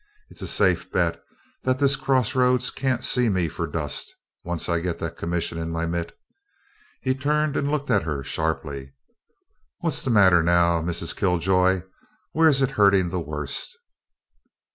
It's a safe bet that this cross roads can't see me for dust, once I get that commission in my mitt." He turned and looked at her sharply. "What's the matter now, Mrs. Kill joy? Where's it hurting the worst?"